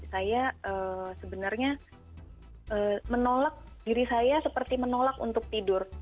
saya sebenarnya menolak diri saya seperti menolak untuk tidur